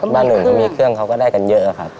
บ้านอื่นเขามีเครื่องเขาก็ได้กันเยอะครับ